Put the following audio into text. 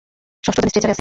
ষষ্ঠজন স্ট্রেচারে আছে।